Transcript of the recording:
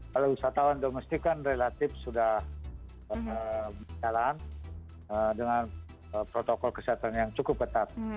kalau wisatawan domestik kan relatif sudah berjalan dengan protokol kesehatan yang cukup ketat